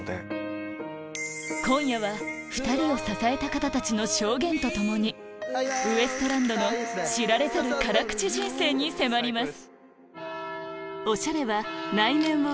今夜は２人を支えた方たちの証言とともにウエストランドの知られざる辛口人生に迫ります